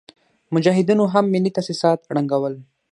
مجاهدينو هم ملي تاسيسات ړنګول.